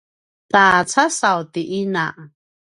ta casaw ti ina